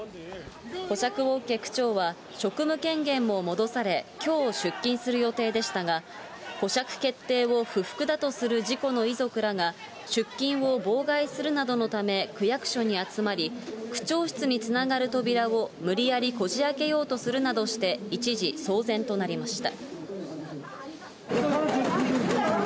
保釈を受け、区長は職務権限も戻され、きょう出勤する予定でしたが、保釈決定を不服だとする事故の遺族らが、出勤を妨害するなどのため、区役所に集まり、区長室につながる扉を無理やりこじあけようとするなどして、一時騒然となりました。